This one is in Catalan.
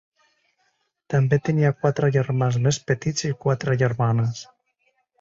També tenia quatre germans més petits i quatre germanes.